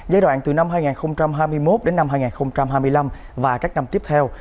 giai đoạn từ năm hai nghìn hai mươi một đến năm hai nghìn hai mươi năm và các năm tiếp theo